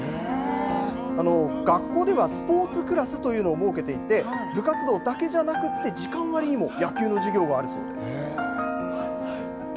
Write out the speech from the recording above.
学校ではスポーツクラスというのを設けていて部活動だけじゃなくて時間割にも野球の授業があるそうなんです。